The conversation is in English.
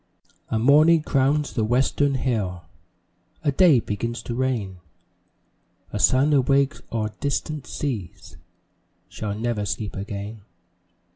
A morning crowns the Western hill, A day begins to reign, A sun awakes o'er distant seas Shall never sleep again.